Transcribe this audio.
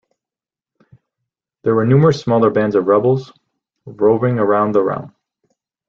There were numerous smaller bands of rebels roving around the realm.